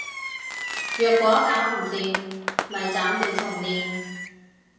若果搞唔掂，咪砍掉重練